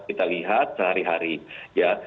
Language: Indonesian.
kita lihat sehari hari ya